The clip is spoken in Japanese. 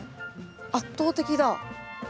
圧倒的だ。